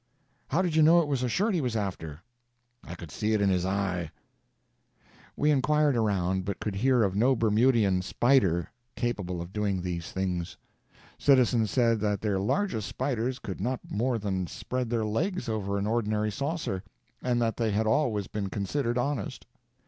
"How did you know it was a shirt he was after?" "I could see it in his eye." We inquired around, but could hear of no Bermudian spider capable of doing these things. Citizens said that their largest spiders could not more than spread their legs over an ordinary saucer, and that they had always been considered honest.